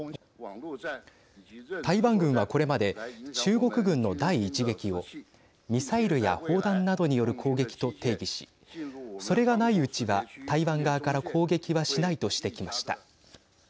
台湾軍はこれまで中国軍の第一撃をミサイルや砲弾などによる攻撃と定義しそれがないうちは台湾側から攻撃はしないとしてきました。